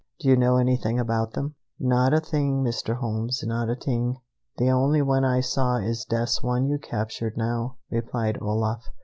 Do you know anything about them?" "Not a thing, Mr. Holmes, not a t'ing. The only one Ay saw is das one you captured now," replied Olaf.